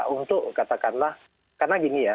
untuk katakanlah karena gini ya